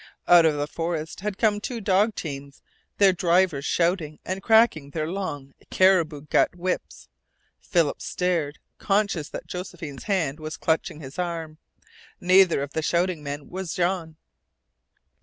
Out of the forest had come two dog teams, their drivers shouting and cracking their long caribou gut whips. Philip stared, conscious that Josephine's hand was clutching his arm. Neither of the shouting men was Jean.